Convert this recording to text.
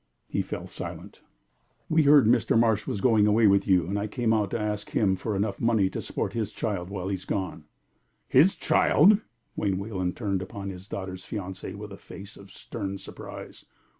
He fell silent. "We heard that Mr. Marsh was going away with you, and I came out to ask him for enough money to support his child while he is gone." "His child!" Wayne Wayland turned upon his daughter's fiance with a face of stern surprise.